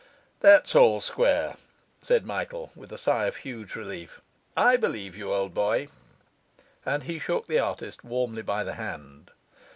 'That's all square,' said Michael, with a sigh of huge relief. 'I believe you, old boy.' And he shook the artist warmly by the hand.